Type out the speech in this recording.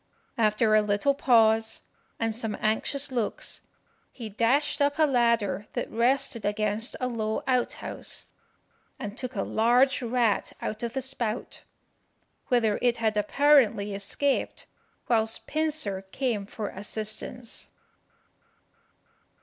After a little pause, and some anxious looks, he dashed up a ladder that rested against a low out house, and took a large rat out of the spout, whither it had apparently escaped whilst Pincer came for assistance."